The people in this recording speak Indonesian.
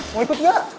mau ikut gak